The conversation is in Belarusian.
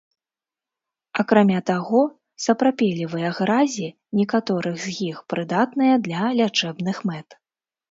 Акрамя таго, сапрапелевыя гразі некаторых з іх прыдатныя для лячэбных мэт.